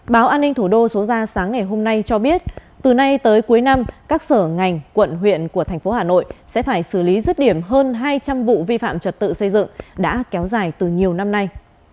báo an ninh thủ đô số ra sáng ngày hôm nay cho biết từ nay tới cuối năm các sở ngành quận huyện của thành phố hà nội sẽ phải xử lý rứt điểm hơn hai trăm linh vụ vi phạm trật tự xây dựng đã kéo dài từ nhiều năm nay